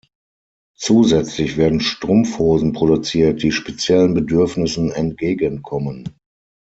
Zusätzlich werden Strumpfhosen produziert, die speziellen Bedürfnissen entgegenkommen.